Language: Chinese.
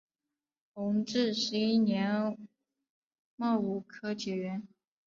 弘治十一年戊午科解元。